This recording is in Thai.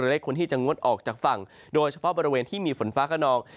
และได้ควรที่จะงดออกจากฝั่งโดยเฉพาะบริเวณที่มีฝนฟ้าขนอง